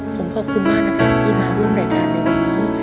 ผมขอบคุณมากนะครับที่มาร่วมรายการในวันนี้